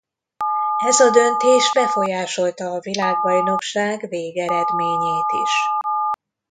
Ez a döntés befolyásolta a világbajnokság végeredményét is.